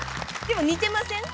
でも似てません？